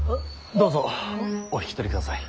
どうぞお引き取りください。